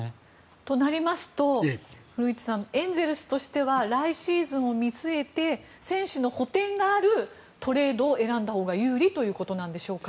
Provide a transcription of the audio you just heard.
そうなりますとエンゼルスとしては来シーズンを見据えて選手の補填があるトレードを選んだほうが有利ということなんでしょうか。